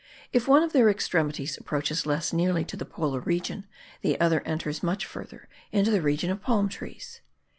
If one of their extremities approaches less nearly to the polar regions, the other enters much further into the region of palm trees.